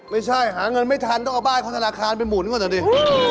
ไม่ใช่หาเงินไม่ทันต้องเอาบ้านของธนาคารไปหมุนก่อนดิ